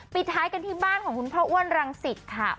ปิดท้ายกันที่บ้านของคุณพ่ออ้วนรังสิตค่ะ